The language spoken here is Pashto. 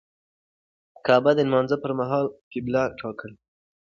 کعبه د لمانځه پر مهال قبله ټاکي.